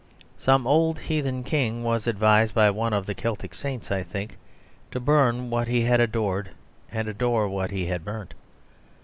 Some old heathen king was advised by one of the Celtic saints, I think, to burn what he had adored and adore what he had burnt.